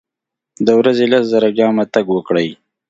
د ورځي لس زره ګامه تګ وکړئ.